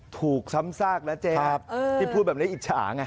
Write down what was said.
ถูกซ้ำซากแล้วเจ๊ที่พูดแบบนี้อิจฉาไง